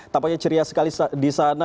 tampaknya ceria sekali di sana